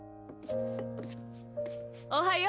おはよう！